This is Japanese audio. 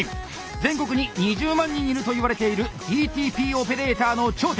全国に２０万人いるといわれているＤＴＰオペレーターの頂点！